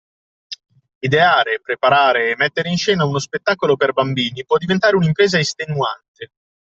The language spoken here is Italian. Ideare, preparare e mettere in scena uno spettacolo per bambini può diventare un’impresa estenuante.